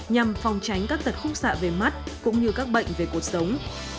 nhằm phòng tránh các tật khúc xạ về mắt cũng như các bệnh về cuộc sống